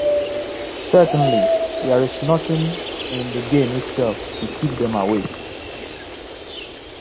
Certainly, there is nothing in the game itself to keep them awake.